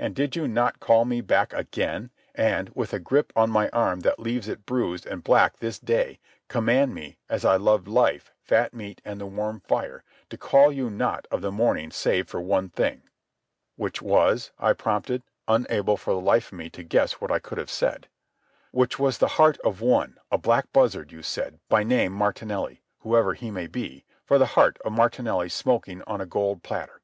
And did you not call me back again, and, with a grip on my arm that leaves it bruised and black this day, command me, as I loved life, fat meat, and the warm fire, to call you not of the morning save for one thing?" "Which was?" I prompted, unable for the life of me to guess what I could have said. "Which was the heart of one, a black buzzard, you said, by name Martinelli—whoever he may be—for the heart of Martinelli smoking on a gold platter.